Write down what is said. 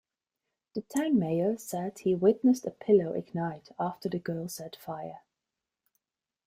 The town mayor said he witnessed a pillow ignite after the girl said fire...